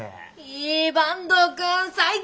いい坂東くん最高！